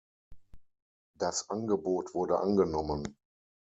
Das Angebot wurde angenommen.